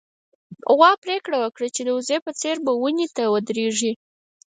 غوا پرېکړه وکړه چې د وزې په څېر په ونې ودرېږي.